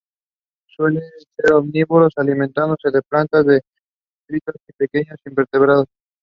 He reported this to Sir John Duckworth.